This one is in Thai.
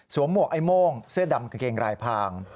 สวมหมวกไอ้โม่งเสื้อดำเกงรายพาง